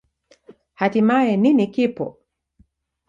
Hatimaye, nini kipo?